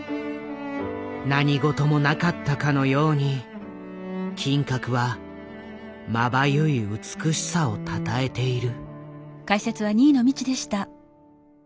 何事もなかったかのように金閣はまばゆい美しさをたたえている。